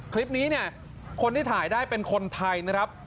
คลิปนี้เนี่ยคนที่ถ่ายได้เป็นคนไทยนะครับ